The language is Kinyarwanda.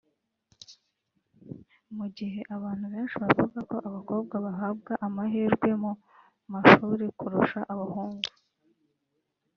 Mu gihe abantu benshi bavuga ko abakobwa bahabwa amahirwe mu mashuri kurusha abahungu